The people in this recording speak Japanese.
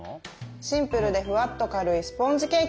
シンプルでふわっと軽いスポンジケーキです。